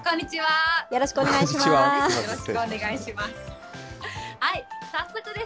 よろしくお願いします。